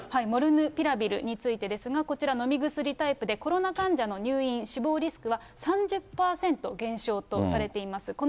モルヌピラビルについてですが、こちら、飲み薬タイプでコロナ患者の入院、死亡リスクは３０％減少とされています。